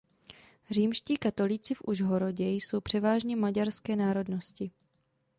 Římští katolíci v Užhorodě jsou převážně maďarské národnosti.